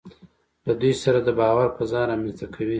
له دوی سره د باور فضا رامنځته کوي.